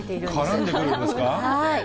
絡んでくるんですか？